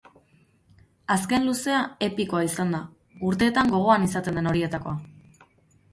Azken luzea epikoa izan da, urteetan gogoan izaten den horietakoa.